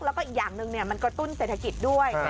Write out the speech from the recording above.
แล้วก็อีกอย่างหนึ่งมันกระตุ้นเศรษฐกิจด้วย